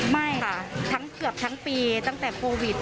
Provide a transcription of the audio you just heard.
ไม่คะเกือบทั้งปีตั้งแต่โครวิด